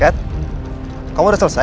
selesai juga diesem deafn